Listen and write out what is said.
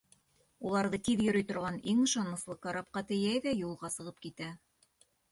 Уларҙы тиҙ йөрөй торған иң ышаныслы карапҡа тейәй ҙә юлға сығып китә.